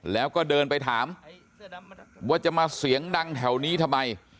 แล้วก็เดินไปถามว่าจะมาเสียงดังแถวนี้ทำไม